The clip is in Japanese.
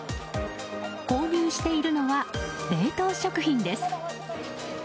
購入しているのは冷凍食品です。